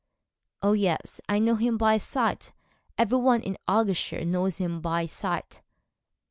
'Oh, yes! I know him by sight every one in Argyleshire knows him by sight.'